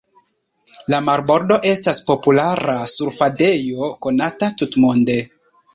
La marbordo estas populara surfadejo konata tutmonde.